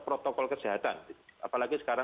protokol kesehatan apalagi sekarang